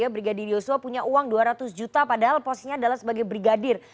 brigadir yosua punya uang dua ratus juta padahal posisinya adalah sebagai brigadir